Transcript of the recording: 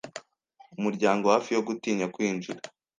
umuryango, hafi yo gutinya kwinjira.